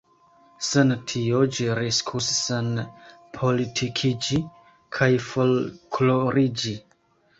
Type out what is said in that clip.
Sen tio, ĝi riskus senpolitikiĝi kaj folkloriĝi.